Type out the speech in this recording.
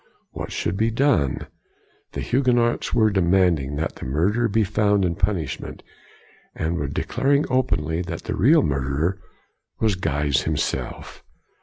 What should be done? The Huguenots were demanding that the murderer be found and punished, and were declaring openly that the real murderer was Guise himself.